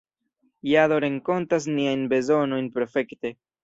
Jado renkontas niajn bezonojn perfekte.